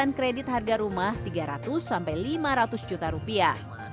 dengan kredit harga rumah tiga ratus sampai lima ratus juta rupiah